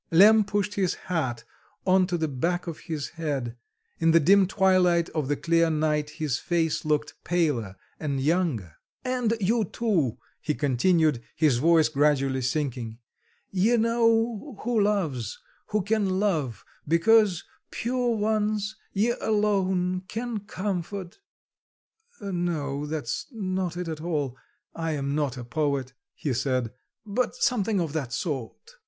Lemm pushed his hat on to the back of his head; in the dim twilight of the clear night his face looked paler and younger. "'And you too,'" he continued, his voice gradually sinking, "'ye know who loves, who can love, because, pure ones, ye alone can comfort'... No, that's not it at all! I am not a poet," he said, "but something of that sort."